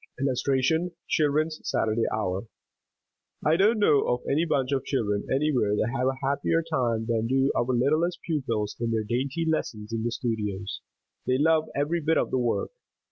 [Illustration: CHILDREN'S SATURDAY HOUR] I don't know of any bunch of children anywhere that have a happier time than do our littlest pupils in their dainty lessons in the studios. They love every bit of the "work."